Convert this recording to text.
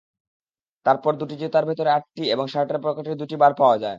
তার দুটি জুতার ভেতর আটটি এবং শার্টের পকেটে দুটি বার পাওয়া যায়।